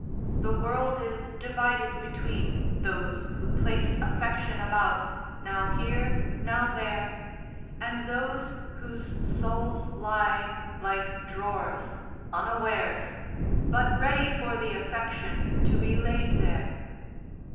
The world is divided between those who place affection about, now here, now there, and those whose souls lie, like drawers, unawares, but ready for the affection to be laid there.